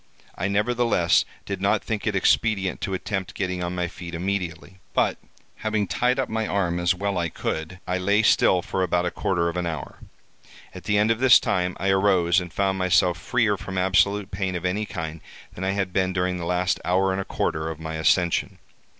I nevertheless did not think it expedient to attempt getting on my feet immediately; but, having tied up my arm as well as I could, I lay still for about a quarter of an hour. At the end of this time I arose, and found myself freer from absolute pain of any kind than I had been during the last hour and a quarter of my ascension.